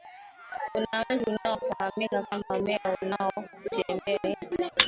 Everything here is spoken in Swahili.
kuna mti unaofahamika kama mmea unaotembea ni